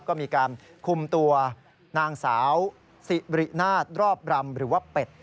ก็มีการคุมตัวนางสาวสิรินาทรอบรำหรือว่าเป็ด